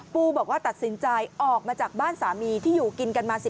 ปูบอกว่าตัดสินใจออกมาจากบ้านสามีที่อยู่กินกันมา